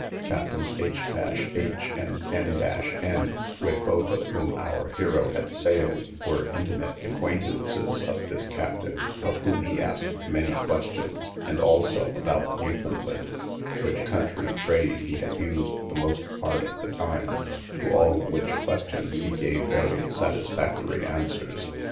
Captains H h and N n, with both of whom our hero had sailed, were intimate acquaintances of this captain, of whom he asked many questions, and also about Newfoundland, which country trade he had used the most part of the time; to all which questions he gave very satisfactory answers.